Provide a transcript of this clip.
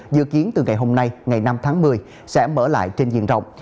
dự kiến từ ngày hôm nay ngày năm tháng một mươi sẽ mở lại trên diện rộng